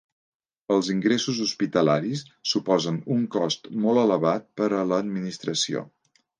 Els ingressos hospitalaris suposen un cost molt elevat per a l'administració.